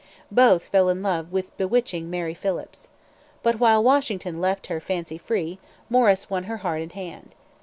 Both fell in love with bewitching Mary Phillips. But, while Washington left her fancy free, Morris won her heart and hand.